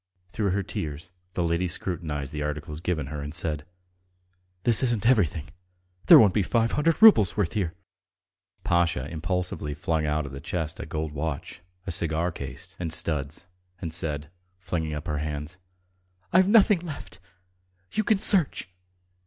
Through her tears the lady scrutinized the articles given her and said: "This isn't everything. ... There won't be five hundred roubles' worth here." Pasha impulsively flung out of the chest a gold watch, a cigar case and studs, and said, flinging up her hands: "I've nothing else left. ... You can search!"